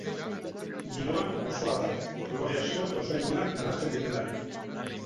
Giroa gozoa da, kolore asko eta usain onak nahasten direlarik.